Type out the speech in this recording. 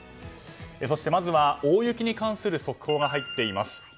そしてまずは大雪に関する速報が入っています。